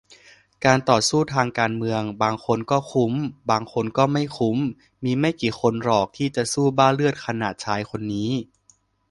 การต่อสู้ทางการเมือง บางคนก็คุ้มบางคนก็ไม่คุ้ม มีไม่กี่คนหรอกที่จะสู้บ้าเลือดขนาดชายคนนี้